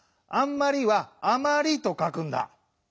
「あんまり」は「あまり」とかくんだ。